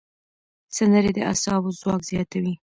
سندرې د اعصابو ځواک زیاتوي.